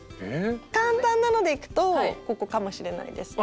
簡単なのでいくとここかもしれないですね。